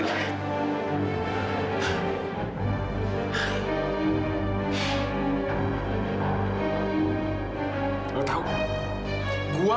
lalu lo tau gak